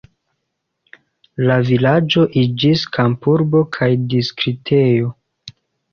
La vilaĝo iĝis kampurbo kaj distriktejo.